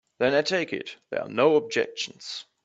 Then I take it there are no objections.